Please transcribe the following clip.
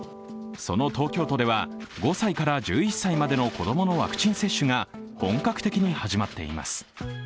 その東京都では５歳から１１歳までの子供のワクチン接種が本格的に始まっています。